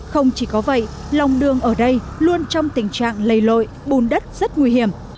không chỉ có vậy lòng đường ở đây luôn trong tình trạng lầy lội bùn đất rất nguy hiểm